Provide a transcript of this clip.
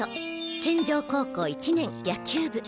健丈高校１年野球部。